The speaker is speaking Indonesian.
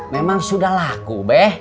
memang sudah laku be